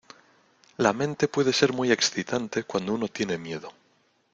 la mente puede ser muy excitante cuando uno tiene miedo.